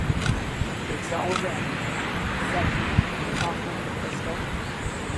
‘It’s all ready,’ said he, offering the pistol.